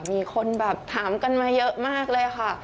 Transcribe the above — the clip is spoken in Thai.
มีคนถามกันมาเยอะมากเลยนะคะ